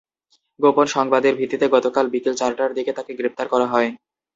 গোপন সংবাদের ভিত্তিতে গতকাল বিকেল চারটার দিকে তাঁকে গ্রেপ্তার করা হয়।